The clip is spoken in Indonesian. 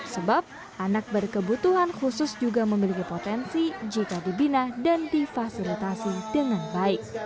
sebab anak berkebutuhan khusus juga memiliki potensi jika dibina dan difasilitasi dengan baik